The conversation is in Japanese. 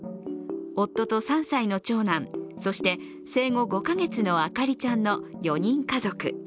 夫と３歳の長男、そして生後５か月のあかりちゃんの４人家族。